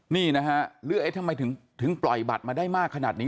นี่นะฮะหรือเอ๊ะทำไมถึงปล่อยบัตรมาได้มากขนาดนี้